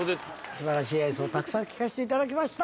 素晴らしい演奏たくさん聴かせていただきました。